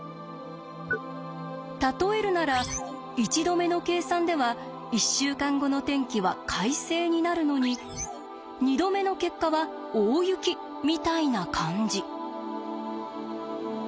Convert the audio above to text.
例えるなら１度目の計算では１週間後の天気は快晴になるのに２度目の結果は大雪みたいな感じ。